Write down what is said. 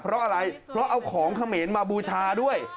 เพราะอะไรเพราะเอาของเขมรมาบูชาด้วย